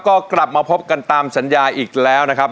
ก็กลับมาพบกันตามสัญญาอีกแล้วนะครับ